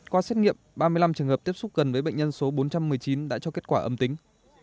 qua xét nghiệm ba mươi năm trường hợp tiếp xúc gần với bệnh nhân số bốn trăm một mươi chín đã cho kết quả âm tính